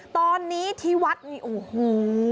ตอนนี้ที่วัดนี่โอ้โห